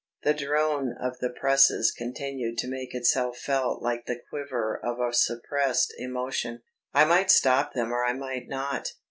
The drone of the presses continued to make itself felt like the quiver of a suppressed emotion. I might stop them or I might not.